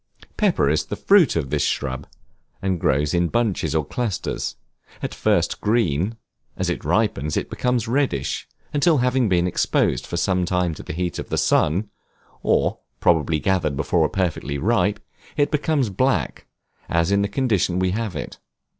Pepper is the fruit of this shrub, and grows in bunches or clusters, at first green; as it ripens it becomes reddish, until having been exposed for some time to the heat of the sun, (or probably gathered before perfectly ripe,) it becomes black, as in the condition we have it.